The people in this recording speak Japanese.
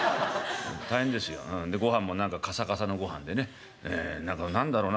大変ですよ。でごはんも何かカサカサのごはんでねええ何だろうな